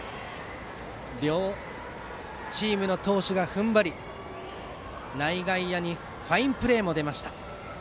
両チームの投手が踏ん張り内外野にファインプレーも出ました。